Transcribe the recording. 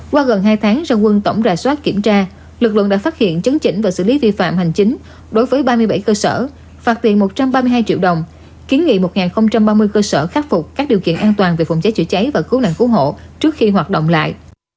qua gần hai tháng ra quân tổng rà soát kiểm tra lực lượng đã phát hiện chấn chỉnh và xử lý vi phạm hành chính đối với ba mươi bảy cơ sở phạt tiền một trăm ba mươi hai triệu đồng kiến nghị một ba mươi cơ sở khắc phục các điều kiện an toàn về phòng cháy chữa cháy và cứu nạn cứu hộ trước khi hoạt động lại